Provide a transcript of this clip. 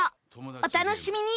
お楽しみに！